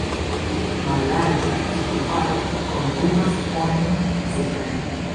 Mallarĝa ŝtuparo kondukas onin supren.